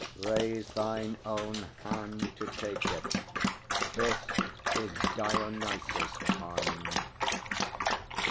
Raise thine own hand To take it. This is Dionysus' wand.